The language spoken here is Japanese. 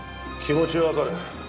気持ちはわかる。